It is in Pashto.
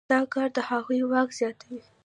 دا کار د هغوی واک زیاتوي.